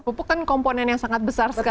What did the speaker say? pupuk kan komponen yang sangat besar sekali